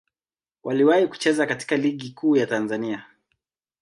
Waliwahi kucheza katika Ligi Kuu ya Tanzania.